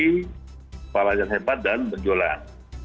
kepala yang hebat dan berjualan